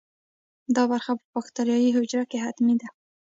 دا برخه په باکتریايي حجره کې حتمي ده.